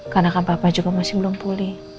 karena kan papa juga masih belum pulih